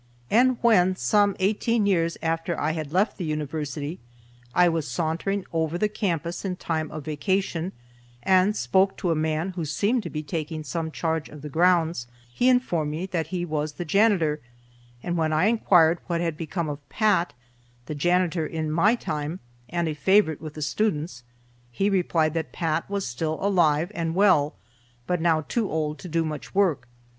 And when, some eighteen years after I had left the University, I was sauntering over the campus in time of vacation, and spoke to a man who seemed to be taking some charge of the grounds, he informed me that he was the janitor; and when I inquired what had become of Pat, the janitor in my time, and a favorite with the students, he replied that Pat was still alive and well, but now too old to do much work.